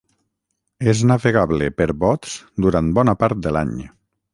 És navegable per bots durant bona part de l'any.